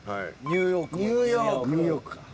ニューヨーク。